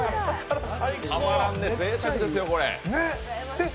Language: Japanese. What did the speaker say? たまらんね、ぜいたくですよこれ。